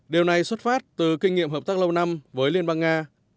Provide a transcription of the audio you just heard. điều này xuất phát từ kinh nghiệm hợp tác lâu năm với liên bang nga